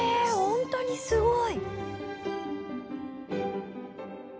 本当にすごい！